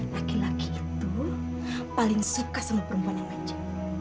laki laki itu paling suka sama perempuan yang aja